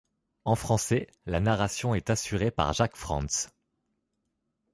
En français, la narration est assurée par Jacques Frantz.